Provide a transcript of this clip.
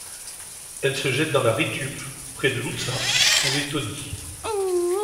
Elle se jette dans la Ritupe, près de Ludza, en Lettonie.